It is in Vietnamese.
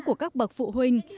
của các bậc phụ huynh